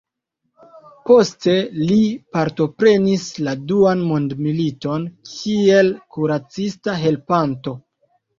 Poste li partoprenis la duan mondmiliton kiel kuracista helpanto.